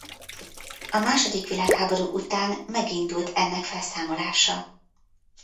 A második világháború után megindult ennek felszámolása.